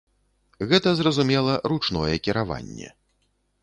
Гэта зразумела, ручное кіраванне.